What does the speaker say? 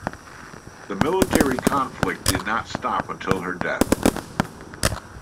The military conflict did not stop until her death.